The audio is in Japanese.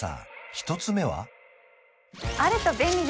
一つ目は？